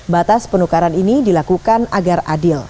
batas penukaran ini dilakukan agar adil